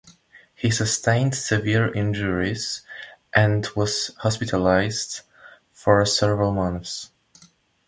He sustained severe injuries and was hospitalized for several months.